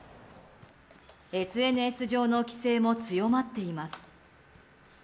ＳＮＳ上の規制も強まっています。